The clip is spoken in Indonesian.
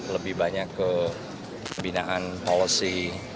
lebih banyak kebinaan policy